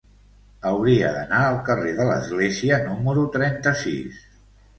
Hauria d'anar al carrer de l'Església número trenta-sis.